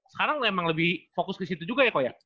sekarang memang lebih fokus ke situ juga ya kok ya